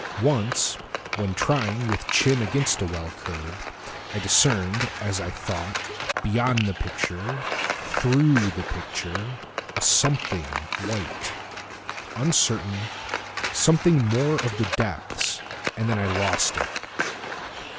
Once, when trying with chin against a well curb,I discerned, as I thought, beyond the picture, Through the picture, a something white, uncertain, Something more of the depths—and then I lost it.